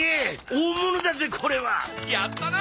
大物だぜこれは！やったな！